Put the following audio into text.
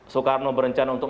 soekarno berencana untuk